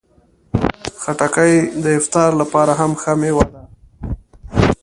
خټکی د افطار لپاره هم ښه مېوه ده.